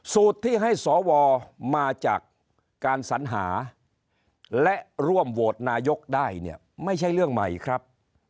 สูตรที่ให้สวมาจากการสัญหาและร่วมโหวตนายกได้เนี่ยไม่ใช่เรื่องใหม่ครับ